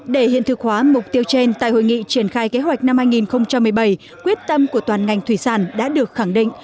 để hiện thực hóa mục tiêu trên tại hội nghị triển khai kế hoạch năm hai nghìn một mươi bảy quyết tâm của toàn ngành thủy sản đã được khẳng định